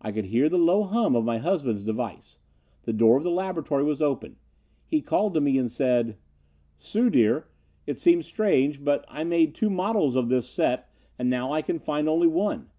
I could hear the low hum of my husband's device. The door of the laboratory was open. He called to me and said: "'Sue dear, it seems strange, but I made two models of this set and now I can find only one.